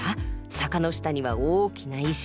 坂の下には大きな石。